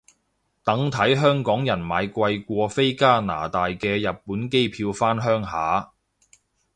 等睇香港人買貴過飛加拿大嘅日本機票返鄉下